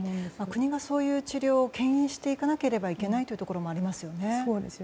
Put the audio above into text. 国がそういう治療を牽引していかなければいけないところもありますよね。